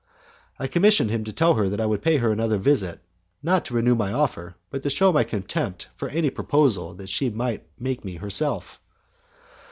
I commissioned him to tell her that I would pay her another visit, not to renew my offer, but to shew my contempt for any proposal she might make me herself.